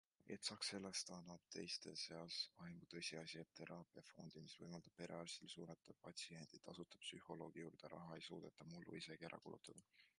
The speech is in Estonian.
Et saaks, sellest annab teiste seas aimu tõsiasi, et teraapiafondi, mis võimaldab perearstil suunata patsienti tasuta psühholoogi juurde, raha ei suudetud mullu isegi ära kulutada.